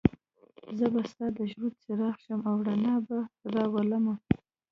زه به ستا د ژوند څراغ شم او رڼا به راولم.